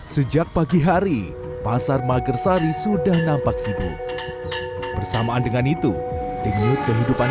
sejak pagi hari pasar magersari sudah nampak sibuk bersamaan dengan itu dengan kehidupan